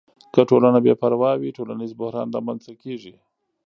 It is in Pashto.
که ټولنه بې پروا وي، ټولنیز بحران رامنځته کیږي.